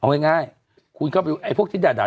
เอาง่ายคุณเข้าไปดูพวกที่ด่า